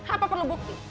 apa perlu bukti